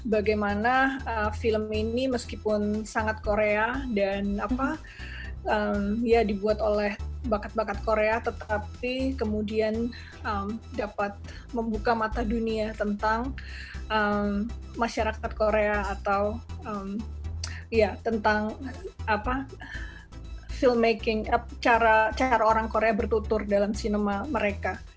bagaimana film ini meskipun sangat korea dan apa ya dibuat oleh bakat bakat korea tetapi kemudian dapat membuka mata dunia tentang masyarakat korea atau tentang apa film making cara cara orang korea bertutur dalam sinema mereka